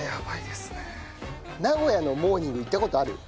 名古屋のモーニング行った事ある？